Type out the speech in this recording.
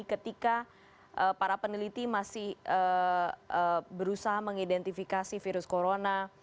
ketika para peneliti masih berusaha mengidentifikasi virus corona